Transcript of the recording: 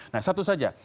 nah satu saja